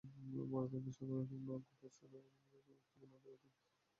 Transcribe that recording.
পরে তাঁদের সাগরে কিংবা অজ্ঞাত স্থানে আটকে রেখে মুক্তিপণ আদায় করতেন।